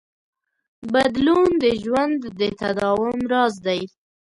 بدلون د ژوند د تداوم راز دی.